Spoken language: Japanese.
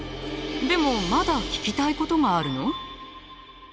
でもまだ聞きたいことがあるの？